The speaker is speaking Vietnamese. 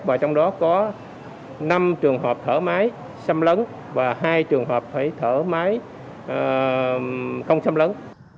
và trong đó có năm trường hợp thở máy xâm lấn và hai trường hợp phải thở máy không xâm lấn